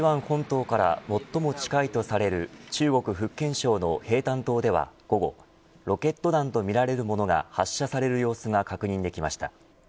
台湾本土から最も近いとされる中国福建省の平潭島では午後ロケット弾とみられるものが発射される様子が確認されました。